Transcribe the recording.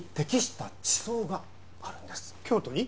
京都に？